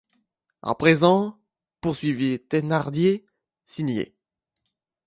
À présent, poursuivit Thénardier, signez.